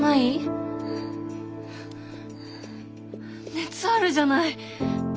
熱あるじゃない。